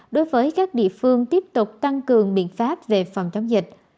đối với các địa phương tiếp tục tăng cường biện pháp về phòng chống dịch